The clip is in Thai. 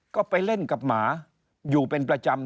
ก็ไปเล่นกับหมาอยู่เป็นประจำ